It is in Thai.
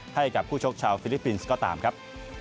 ให้กับผู้ชกชาวฟิลิปปินส์ก็ตามครับ